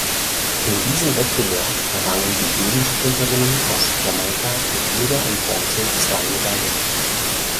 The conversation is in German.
In diesem Wettbewerb errangen die Hürdensprinterinnen aus Jamaika mit Silber und Bronze zwei Medaillen.